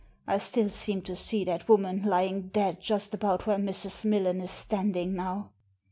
I still seem to see that woman lying dead just about where Mrs. Millen is standing now."